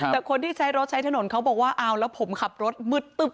แต่คนที่ใช้รถใช้ถนนเขาบอกว่าเอาแล้วผมขับรถมืดตึ๊บ